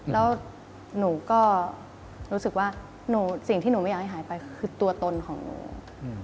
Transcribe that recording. แล้วหนูก็รู้สึกว่าสิ่งที่หนูไม่อยากให้หายไปคือตัวตนของหนู